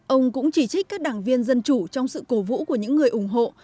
ông cũng chỉ trích các đảng viên dân chủ trong sự cổ vũ của những người ủng hộ